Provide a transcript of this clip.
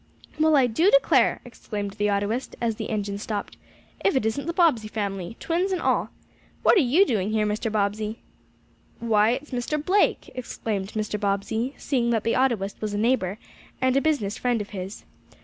"Well, I declare!" exclaimed the autoist, as his engine stopped. "If it isn't the Bobbsey family twins and all! What are you doing here, Mr. Bobbsey?" "Why, it's Mr. Blake!" exclaimed Mr. Bobbsey, seeing that the autoist was a neighbor, and a business friend of his.